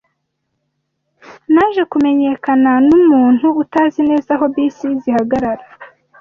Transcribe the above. Naje kumenyekana numuntu utazi neza aho bisi zihagarara.